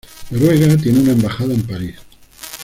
Noruega tiene una embajada en París.